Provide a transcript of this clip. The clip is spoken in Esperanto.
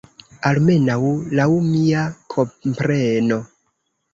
Almenaŭ laŭ mia kompreno.